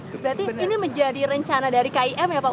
berarti ini menjadi rencana dari kim ya pak